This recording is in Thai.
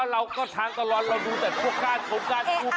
เราก็ทางตลอดเราดูแต่พวกการทูบ